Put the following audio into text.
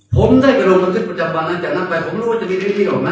ผมได้ไปลงการคริสต์ปุรจัยบอ่านนะจากนั้นไปผมรู้ว่ามันจะเคยมีกี่อย่าง